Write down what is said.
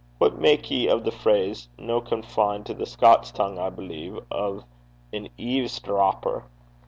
What mak' ye o' the phrase, no confined to the Scots tongue, I believe, o' an eaves drapper?